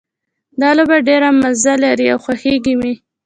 دا لوبه ډېره مزه لري او خوښیږي مې